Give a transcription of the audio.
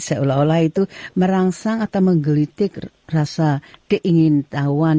seolah olah itu merangsang atau menggelitik rasa keingin tahuan